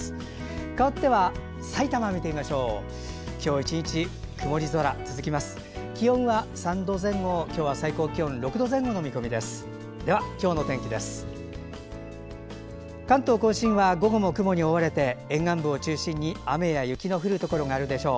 かわっては埼玉を見てみましょう。